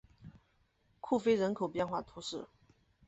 库菲人口变化图示